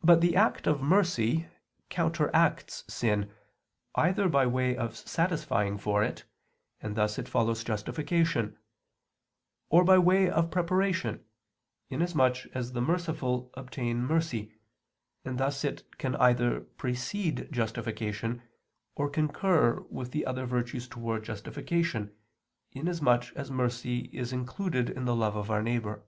But the act of mercy counteracts sin either by way of satisfying for it, and thus it follows justification; or by way of preparation, inasmuch as the merciful obtain mercy; and thus it can either precede justification, or concur with the other virtues towards justification, inasmuch as mercy is included in the love of our neighbor.